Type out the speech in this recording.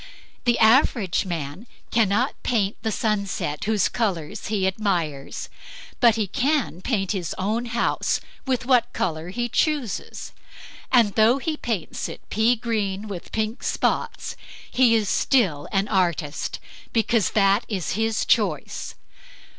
The average man cannot paint the sunset whose colors be admires; but he can paint his own house with what color he chooses, and though he paints it pea green with pink spots, he is still an artist; because that is his choice.